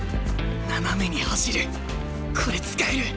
斜めに走るこれ使える！